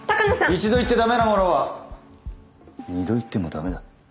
一度行って駄目なものは二度行っても駄目だ。